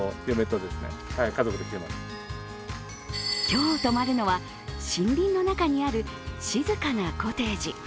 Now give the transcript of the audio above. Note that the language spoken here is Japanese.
今日泊まるのは森林の中にある静かなコテージ。